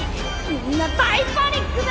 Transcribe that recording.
みんな大パニックだ！